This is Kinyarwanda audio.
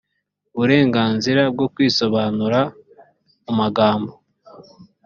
uburenganzira bwo kwisobanura mu magambo